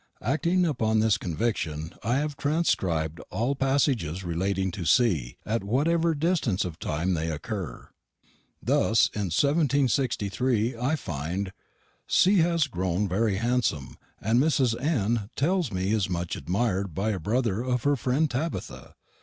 Acting upon this conviction, I have transcribed all passages relating to C., at whatever distance of time they occur. Thus, in 1763, I find "C. has grone very hansome, and Mrs. N. tells me is much admir'd by a brother of her frend Tabitha.